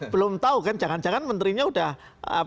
belum tahu kan jangan jangan menteri itu akan menilai